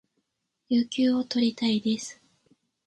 有給を取りたいです